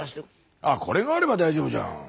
これがあれば大丈夫じゃん。